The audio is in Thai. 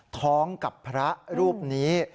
ท้องกับพระรูปนี้